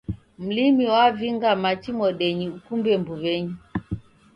Mlimi wavinga machi modeni ukumbe mbuw'enyi